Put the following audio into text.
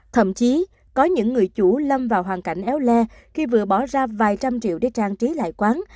thậm chí có những người chủ lâm vào hoàn cảnh éo le khi vừa bỏ ra vài trăm triệu để trang trí lại quán